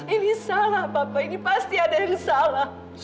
ini salah bapak ini pasti ada yang salah